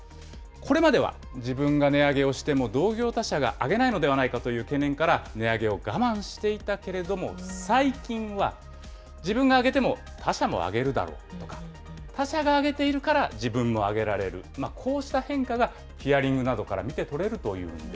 これまでは自分が値上げをしても、同業他社が上げないのではないかという懸念から、値上げを我慢していたけれども、最近は自分が上げても他社も上げるだろうとか、他社が上げているから自分も上げられる、こうした変化がヒアリングなどから見て取れるというんです。